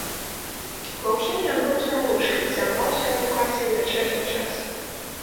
Ва ўсім ён быў самавучкай і займаўся адукацыяй у вячэрні час.